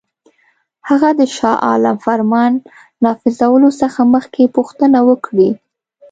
هغه د شاه عالم فرمان نافذولو څخه مخکي پوښتنه وکړي.